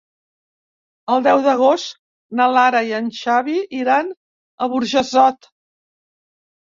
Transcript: El deu d'agost na Lara i en Xavi iran a Burjassot.